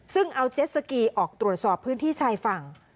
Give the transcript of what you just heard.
ซึ่งเอาเจ็ดสกีออกตรวจสอบพื้นที่ชายฝั่ง